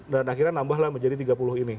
akhirnya nambahlah menjadi tiga puluh ini